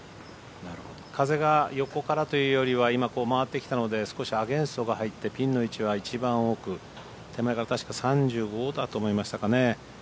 風が横からというよりは今、曲がってきたので少しアゲンストが入ってピンの位置は一番奥手前が確か３５だと思いましたかね。